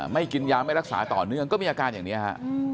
ไม่กินยาไม่รักษาต่อเนื่องก็มีอาการอย่างนี้ฮะ